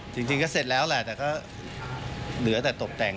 จริงก็เสร็จแล้วแหละแต่ก็เหลือแต่ตกแต่ง